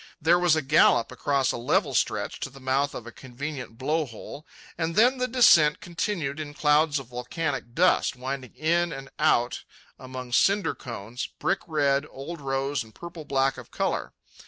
There was a gallop across a level stretch to the mouth of a convenient blow hole, and then the descent continued in clouds of volcanic dust, winding in and out among cinder cones, brick red, old rose, and purplish black of colour.